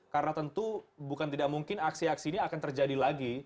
karena tentu bukan tidak mungkin aksi aksi ini akan terjadi lagi